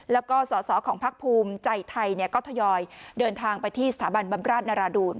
แล้วก็สอสอของพักภูมิใจไทยก็ทยอยเดินทางไปที่สถาบันบำราชนราดูน